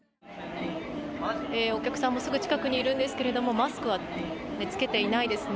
お客さんもすぐ近くにいるんですけれどもマスクは着けていないですね。